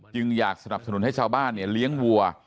อยากสนับสนุนให้ชาวบ้านเลี้ยงวัว